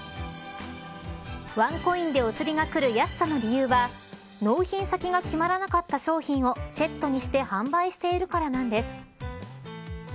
ワンコインでお釣りがくる安さの理由は納品先が決まらなかった商品をセットにして販売しているからなんです。